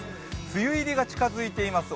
梅雨入りが近づいています